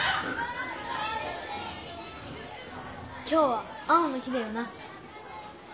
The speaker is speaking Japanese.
今日は青の日だよな！